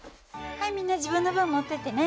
はいみんな自分の分持ってってね。